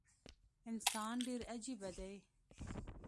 انسان ډیر عجیبه دي